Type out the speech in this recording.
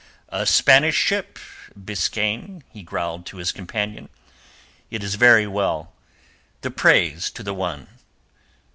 "A Spanish ship, Biskaine," he growled to his companion. "It is very well. The praise to the One!"